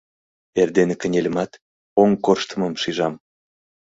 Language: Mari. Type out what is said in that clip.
Эрдене кынельымат, оҥ корштымым шижам.